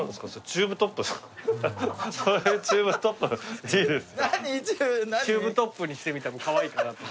チューブトップにしてみたらカワイイかなと。